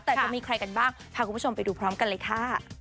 แต่จะมีใครกันบ้างพาคุณผู้ชมไปดูพร้อมกันเลยค่ะ